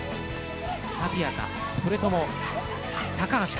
タピアか、それとも高橋か。